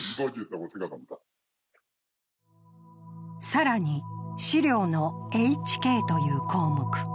更に、資料のＨＫという項目。